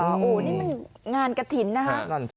โอ้โหนี่มันงานกระถิ่นนะคะ